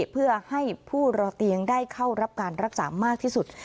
เพื่อให้ผู้รอเตียงได้เข้ารับการรักษามากที่สุด